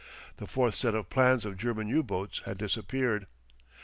The fourth set of plans of German U boats had disappeared.